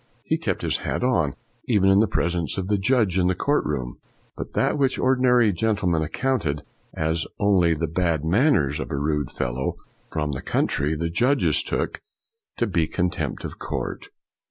He kept his hat on even in the presence of the judge in the court room. But that which ordinary gentle men accounted as only the bad man ners of a rude fellow from the coun try, the judges took to be contempt of court.